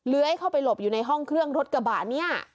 เข้าไปหลบอยู่ในห้องเครื่องรถกระบะเนี่ย